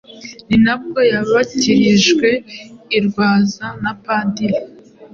Ni nabwo yabatirijwe i Rwaza na Padiri